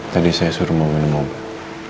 tadi saya suruh mau minum obat